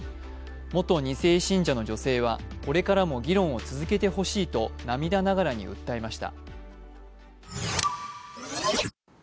元２世信者の女性は、これからも議論を続けてほしいと涙ながらに訴えました。